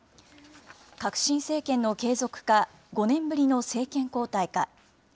革新政権の継続か、５年ぶりの政権交代か。